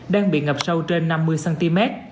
đang bị ngập sâu trên năm mươi cm